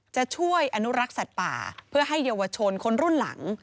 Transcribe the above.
จะช่วยอนุรักษ์สัตว์ป่าเพื่อให้เยาวชนคนรุ่นหลัง